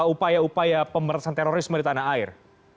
upaya upaya pemerintahan terorisme di tanah air